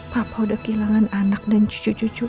papa udah kehilangan anak dan cucu cucu